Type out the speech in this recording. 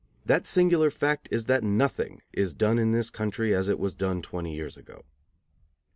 That singular fact is that nothing is done in this country as it was done twenty years ago.